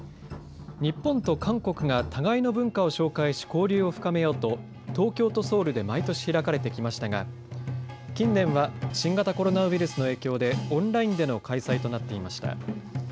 日本と韓国が互いの文化を紹介し交流を深めようと東京とソウルで毎年、開かれてきましたが、近年は新型コロナウイルスの影響でオンラインでの開催となっていました。